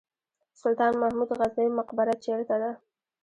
سلطان محمود غزنوي مقبره چیرته ده؟